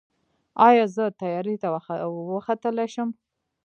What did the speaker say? ایا زه طیارې ته وختلی شم؟